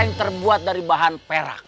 yang terbuat dari bahan perak